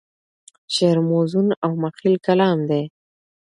شعر موزون او مخیل کلام دی.